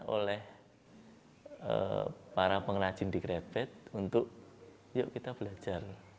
oleh para pengrajin di krebet untuk yuk kita belajar